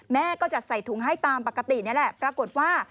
แม่ก็จะใส่ถุงให้ตามปกตินี่แหละปรากฏว่า